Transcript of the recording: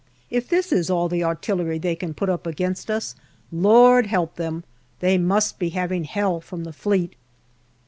If this is all the artillery they can put up against us, Lord help them ! They must be having hell from the Fleet.